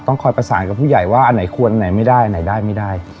คอยประสานกับผู้ใหญ่ว่าอันไหนควรไหนไม่ได้อันไหนได้ไม่ได้